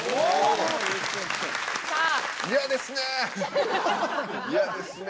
嫌ですね。